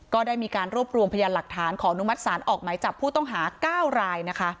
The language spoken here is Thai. ก็ได้มีการรวบรวมพยานหลักฐานขออนุมัติศาลออกหมายจับผู้ต้องหา๙รายนะคะ